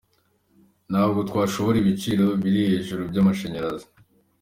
Ntabwo twashobora ibiciro biri hejuru by’amashanyarazi.